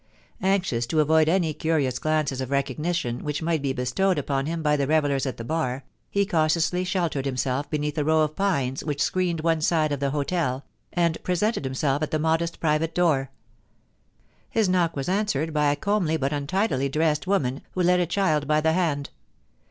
Anxious to avoid any curious glances of recognition which might be bestowed upon him by the revellers at the bar, he cautiously sheltered himself beneath a row of pines which screened one side of the hotel, and presented himself at the modest private door. His knock was answered by a comely but untidily dressed woman, who led a child by the hand.